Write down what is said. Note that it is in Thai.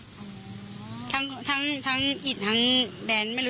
ส่วนตัวเราเชื่อว่าเขาตั้งใจจะทำร้ายแฟนใหม่